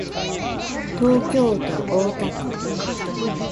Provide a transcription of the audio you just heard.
東京都大田区